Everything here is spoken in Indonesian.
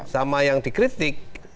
sama yang dikritik